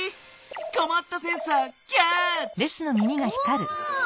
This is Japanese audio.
こまったセンサーキャッチ！